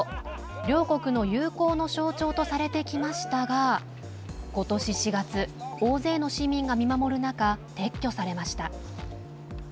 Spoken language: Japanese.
両国の友好の象徴とされてきましたがことし４月大勢の市民が見守る中撤去されました。